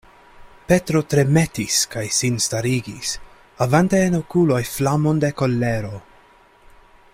Petro tremetis kaj sin starigis, havante en okuloj flamon de kolero.